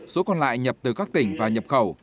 số còn lại nhập từ các tỉnh và nhập khẩu